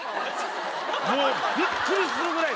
もうびっくりするぐらいのボーン！